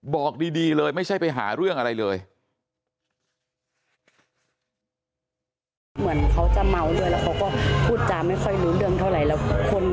บอกดีเลยไม่ใช่ไปหาเรื่องอะไรเลย